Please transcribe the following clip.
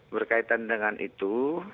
berkaitan dengan itu